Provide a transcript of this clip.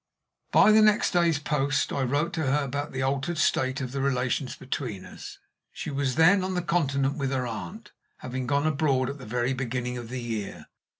By the next day's post I wrote to her about the altered state of the relations between us. She was then on the Continent with her aunt, having gone abroad at the very beginning of the year.